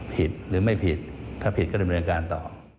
ผิดหรือไม่ผิดถ้าผิดก็เริ่มเริ่มการต่อ